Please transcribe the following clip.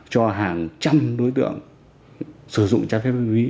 cho hàng trăm đối tượng sử dụng chất ma túy